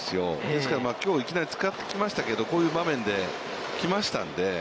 ですから、きょういきなり使ってきましたけれども、こういう場面で来ましたので。